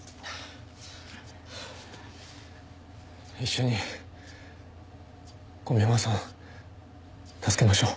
一緒に小宮山さん助けましょう。